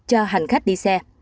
cho hành khách đi xe